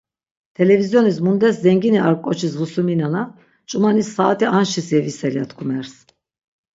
T̆elevizyonis mundes zengini ar k̆oçis vusiminana, ç̆umani saat̆i anşiz yevisel ya tkumers.